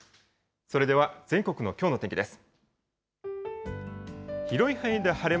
それでは全国のきょうの天気です。